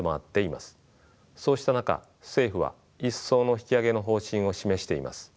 そうした中政府は一層の引き上げの方針を示しています。